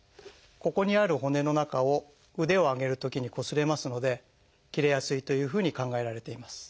ここにある骨の中を腕を上げるときにこすれますので切れやすいというふうに考えられています。